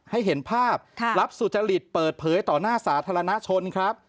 ให้เห็นภาพรับสุจริตเปิดเผยต่อหน้าสาธารณชนครับ